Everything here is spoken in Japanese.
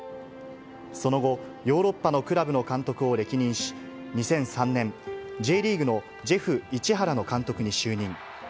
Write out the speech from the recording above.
その後、ヨーロッパのクラブの監督を歴任し、２００３年、Ｊリーグのジェフ市原の監督に就任。